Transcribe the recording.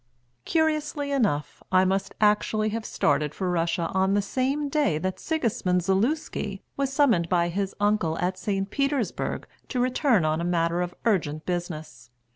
Curiously enough, I must actually have started for Russia on the same day that Sigismund Zaluski was summoned by his uncle at St. Petersburg to return on a matter of urgent business.